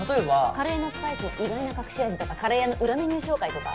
カレーのスパイスの意外な隠し味とかカレー屋の裏メニュー紹介とか？